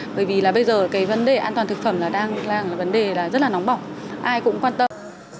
bởi vì là bây giờ cái vấn đề an toàn thực phẩm là đang là vấn đề là rất là nóng bỏng ai cũng quan tâm